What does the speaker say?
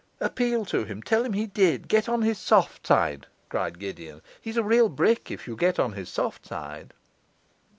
'Appeal to him, tell him he did, get on his soft side,' cried Gideon. 'He's a real brick if you get on his soft side.